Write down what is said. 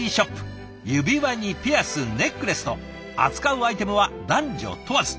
指輪にピアスネックレスと扱うアイテムは男女問わず。